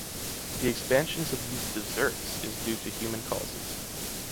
The expansions of these desserts is due to human causes.